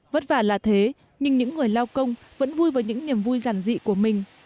vất vả là thế nhưng những người lao công vẫn vui với những niềm vui giản dị của mình